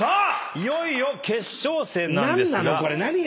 いよいよ決勝戦ですが。